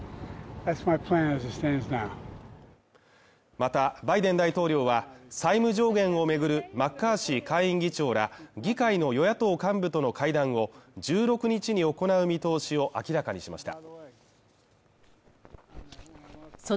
また、バイデン大統領は債務上限を巡るマッカーシー下院議長ら議会の与野党幹部との会談を１６日に行う見通しを明らかにしました。